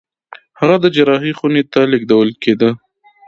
هغه د جراحي خونې ته لېږدول کېده.